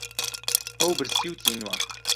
ئەو برسی و تینووە.